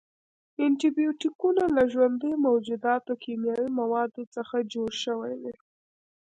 انټي بیوټیکونه له ژوندیو موجوداتو، کیمیاوي موادو څخه جوړ شوي دي.